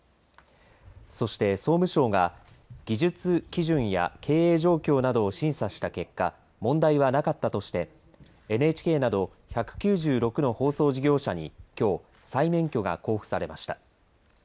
そして総務省が技術基準や経営状況などを審査した結果問題はなかったとしてＮＨＫなど１９６の放送事業者にきょう再免許が交付されました。